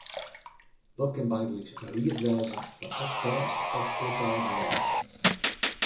Dat kin bygelyks in ried wêze fan eksperts of lokale bewenners.